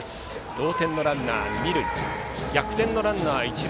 同点のランナーが二塁逆転のランナー一塁。